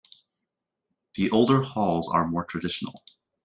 The older halls are more traditional.